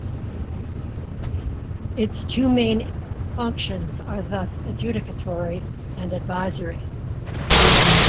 Its two main functions are thus adjudicatory and advisory.